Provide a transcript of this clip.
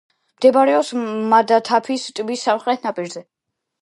მდებარეობს მადათაფის ტბის სამხრეთ ნაპირზე.